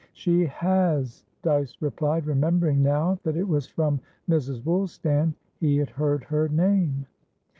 "She has," Dyce replied, remembering now that it was from Mrs. Woolstan he had heard her name.